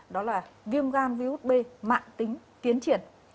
đó là viêm gan viếu út b mãn tính tiến triển